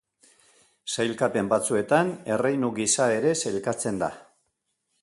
Sailkapen batzuetan erreinu gisa ere sailkatzen da.